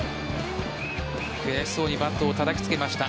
悔しそうにバットをたたきつけました。